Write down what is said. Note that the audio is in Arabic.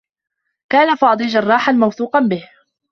كان فاضل جرّاحا موثوق به.